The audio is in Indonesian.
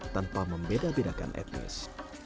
tanpa membeda bedakan etnis